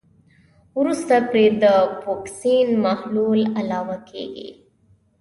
وروسته پرې د فوکسین محلول علاوه کیږي.